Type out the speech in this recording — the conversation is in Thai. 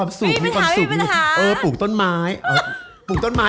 ไม่มีปัญหา